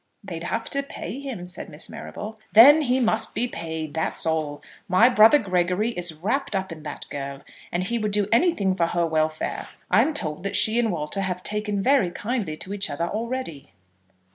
"They'd have to pay him," said Miss Marrable. "Then he must be paid, that's all. My brother Gregory is wrapped up in that girl, and he would do anything for her welfare. I'm told that she and Walter have taken very kindly to each other already."